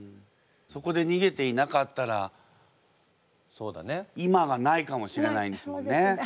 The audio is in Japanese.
そこで逃げていなかったらいまがないかもしれないんですもんね。